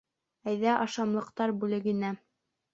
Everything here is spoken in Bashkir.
Әйҙә ашамлыҡтар бүлегенә